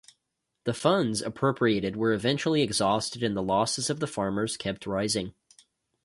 The funds appropriated were eventually exhausted and the losses of the farmers kept rising.